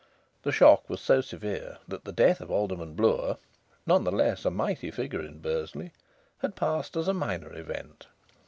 The shock was so severe that the death of Alderman Bloor (none the less a mighty figure in Bursley) had passed as a minor event.